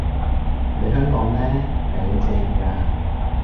我哋香港呢，係好正㗎！